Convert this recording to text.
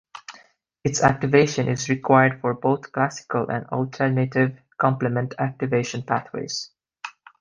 Its activation is required for both classical and alternative complement activation pathways.